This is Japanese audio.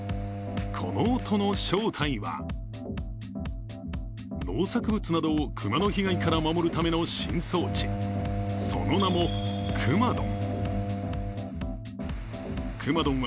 この音の正体は、農作物などを熊の被害から守るための新装置その名も、くまドン。